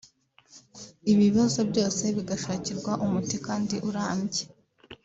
ibi bibazo byose bigashakirwa umuti kandi urambye